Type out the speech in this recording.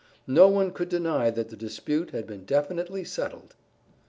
No one could deny that the dispute had been definitely settled.